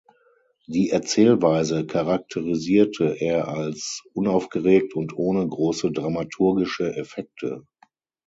Die Erzählweise charakterisierte er als unaufgeregt und „ohne große dramaturgische Effekte“.